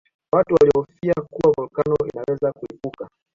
Watu walihofia kuwa volkano inaweza kulipuka